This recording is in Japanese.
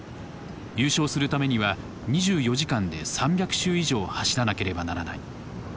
優勝するためには２４時間で３００周以上走らなければならない。